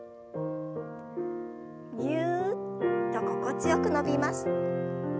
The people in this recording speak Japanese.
ぎゅっと心地よく伸びます。